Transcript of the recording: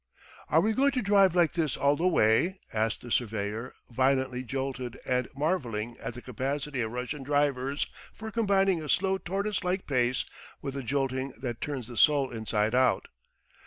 "Are we going to drive like this all the way?" asked the surveyor, violently jolted and marvelling at the capacity of Russian drivers for combining a slow tortoise like pace with a jolting that turns the soul inside out.